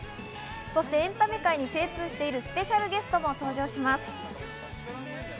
そしてエンタメ界に精通しているスペシャルゲストも登場します。